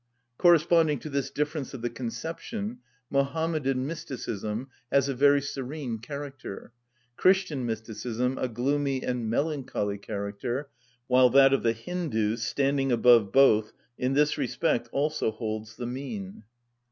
Corresponding to this difference of the conception, Mohammedan mysticism has a very serene character, Christian mysticism a gloomy and melancholy character, while that of the Hindus, standing above both, in this respect also holds the mean.